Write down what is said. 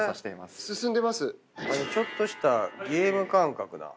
ちょっとしたゲーム感覚だ。